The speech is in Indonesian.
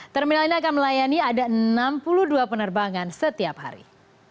terminal ini akan melayani ada enam puluh dua penerbangan setiap hari